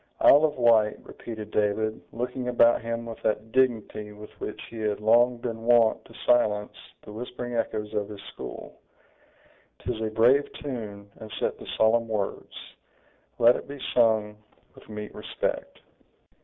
"Isle of Wight!" repeated David, looking about him with that dignity with which he had long been wont to silence the whispering echoes of his school; "'tis a brave tune, and set to solemn words! let it be sung with meet respect!"